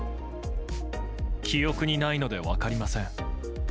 記憶にないので分かりません。